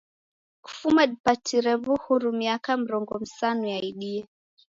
Kufuma dipatire w'uhuru miaka mrongo msanu yaidie.